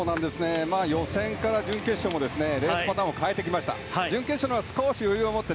予選から準決勝もレースパターンを変えてきて準決勝では少し余裕を持って。